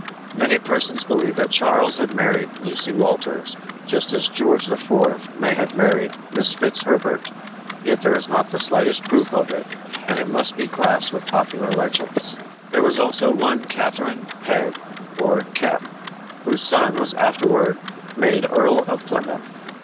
Many persons believe that Charles had married Lucy Walters, just as George IV. may have married Mrs. Fitzherbert; yet there is not the slightest proof of it, and it must be classed with popular legends. There was also one Catherine Peg, or Kep, whose son was afterward made Earl of Plymouth.